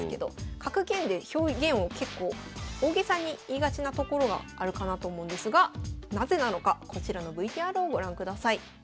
格言で表現を結構大げさに言いがちなところがあるかなと思うんですがなぜなのかこちらのＶＴＲをご覧ください。